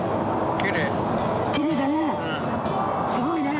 すごいね。